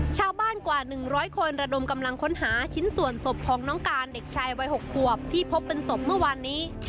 ชาวบ้านกว่า๑๐๐คนระดมกำลังค้นหาชิ้นส่วนศพของน้องการเด็กชายวัย๖ขวบที่พบเป็นศพเมื่อวานนี้